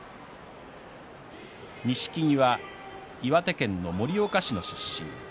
錦木は岩手県の盛岡市の出身。